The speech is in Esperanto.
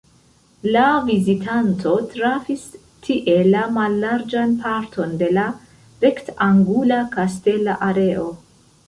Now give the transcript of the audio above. La vizitanto trafis tie la mallarĝan parton de la rektangula kastela areo.